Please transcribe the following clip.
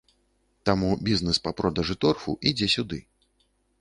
Таму бізнес па продажы торфу ідзе сюды.